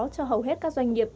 cho hầu hết các doanh nghiệp